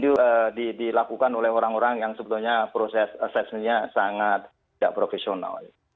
itu dilakukan oleh orang orang yang sebetulnya proses assessmentnya sangat tidak profesional